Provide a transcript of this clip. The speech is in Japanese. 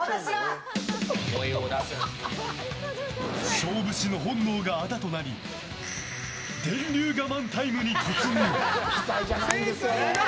勝負師の本能があだとなり電流我慢タイムに突入。